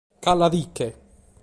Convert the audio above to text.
Càllia·ti·nche!